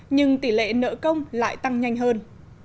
nhưng tỷ lệ nợ công lại tăng nhanh hơn